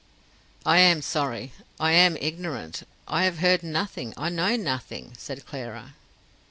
"I am sorry; I am ignorant; I have heard nothing; I know nothing," said Clara.